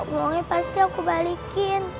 uangnya pasti aku balikin